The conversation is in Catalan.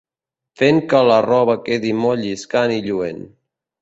Fent que la roba quedi molt lliscant i lluent.